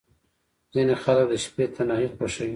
• ځینې خلک د شپې تنهايي خوښوي.